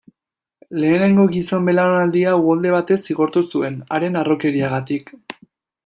Lehenengo gizon-belaunaldia uholde batez zigortu zuen, haren harrokeriagatik.